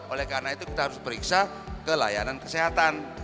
oleh karena itu kita harus periksa ke layanan kesehatan